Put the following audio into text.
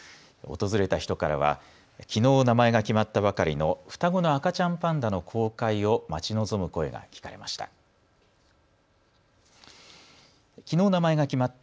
訪れた人からはきのう名前が決まったばかりの双子の赤ちゃんパンダの公開を待ち望む声が聞かれました。